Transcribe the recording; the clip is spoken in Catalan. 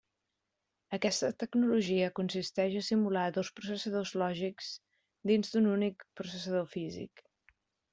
Aquesta tecnologia consisteix a simular dos processadors lògics dins d'un únic processador físic.